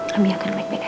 kami akan make back aja